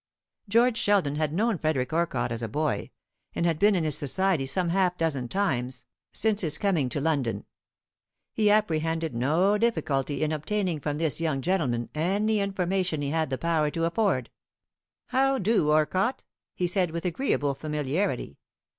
George Sheldon had known Frederick Orcott as a boy, and had been in his society some half dozen times since his coming to London. He apprehended no difficulty in obtaining from this young gentleman any information he had the power to afford. "How do, Orcott?" he said, with agreeable familiarity.